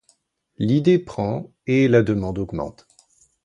L'idée prend et la demande augmente.